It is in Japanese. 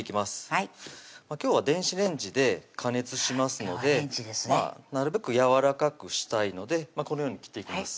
はい今日は電子レンジで加熱しますのでなるべくやわらかくしたいのでこのように切っていきます